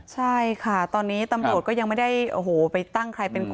ใช่ค่ะตอนนี้ตำรวจก็ยังไม่ได้โอ้โหไปตั้งใครเป็นคน